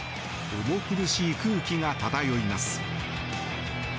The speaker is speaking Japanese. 重苦しい空気が漂います。